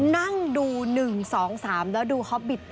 นั่งดู๑๒๓แล้วดูคอบบิตต่อ